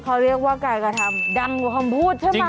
เขาเรียกว่าการกระทำดังกว่าคำพูดใช่ไหม